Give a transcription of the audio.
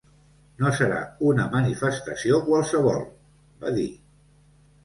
No serà una manifestació qualsevol, va dir.